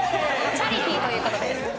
おいーチャリティーということです